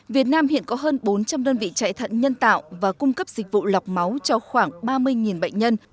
việt nam hiện có hơn bốn trăm linh đơn vị chạy thận nhân tạo và cung cấp dịch vụ lọc máu cho khoảng ba mươi bệnh nhân